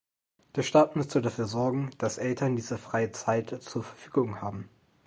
Der Staat müsste dafür sorgen, dass Eltern diese freie Zeit zur Verfügung haben.